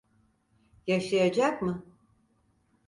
Yaşayacak mı?